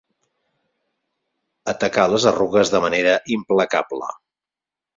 Atacar les arrugues de manera implacable.